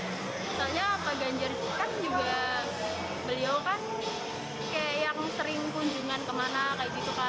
misalnya pak ganjar itu kan juga beliau kan kayak yang sering kunjungan kemana kayak gitu kan